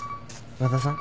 和田さん。